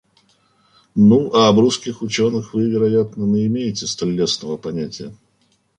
Ну, а об русских ученых вы, вероятно, но имеете столь лестного понятия?